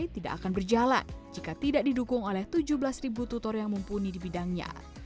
tidak akan berjalan jika tidak didukung oleh tujuh belas tutor yang mumpuni di bidangnya